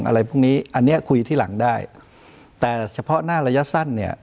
อะไรพวกนี้อันเนี้ยคุยที่หลังได้แต่เฉพาะหน้าระยะสั้นเนี่ย